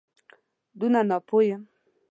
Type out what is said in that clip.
دونه ناپوه یم.